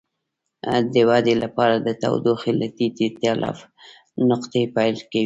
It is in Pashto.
د ودې لپاره د تودوخې له ټیټې نقطې پیل کوي.